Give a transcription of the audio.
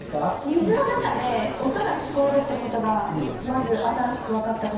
水の中で音が聞こえるって事がまず新しく分かった事で。